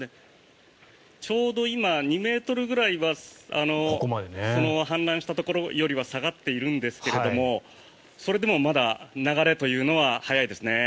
ちょうど今、２ｍぐらいは氾濫したところよりは下がっているんですがそれでもまだ流れというのは速いですね。